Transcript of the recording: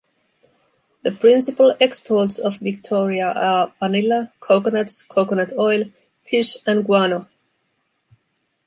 The principal exports of Victoria are vanilla, coconuts, coconut oil, fish and guano.